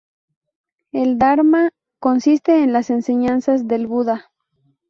El dharma consiste en las enseñanzas del Buda.